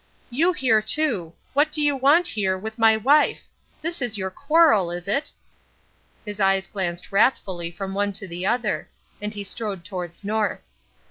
"You here, too! What do you want here with my wife! This is your quarrel, is it?" His eyes glanced wrathfully from one to the other; and he strode towards North.